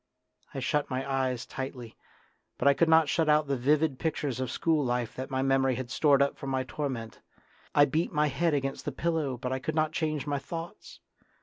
I shut my eyes tightly, but I could not shut out the vivid pictures of school life that my memory had stored up for my torment ; I beat my head against the pillow, but I could not change my thoughts.